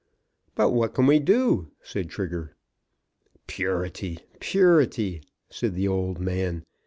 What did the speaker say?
"But what can we do?" said Trigger. "Purity! Purity!" said the old man.